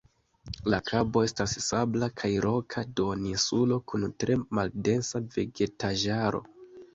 La kabo estas sabla kaj roka duoninsulo kun tre maldensa vegetaĵaro.